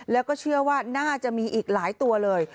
แล้วก็เชื่อว่าน่าจะมีอีกหลายตัวเลย